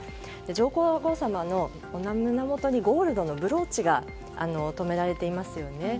上皇后さまの胸元にゴールドのブローチが留められていますよね。